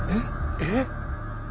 えっ。